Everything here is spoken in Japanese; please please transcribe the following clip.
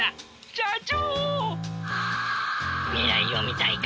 社長。